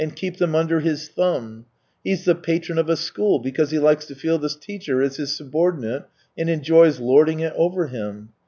keep them under his thumb; he's the patron of a school because he Hkes to feel the teacher is his subordinate and enjoys lording it over him.